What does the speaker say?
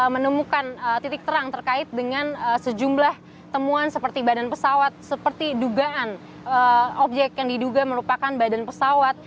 menemukan titik terang terkait dengan sejumlah temuan seperti badan pesawat seperti dugaan objek yang diduga merupakan badan pesawat